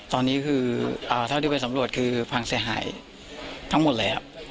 ตอนนี้คือเท่าที่ไปสำรวจคือพังเสียหายทั้งหมดเลยครับ